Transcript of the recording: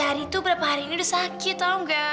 dari itu berapa hari ini udah sakit tau nggak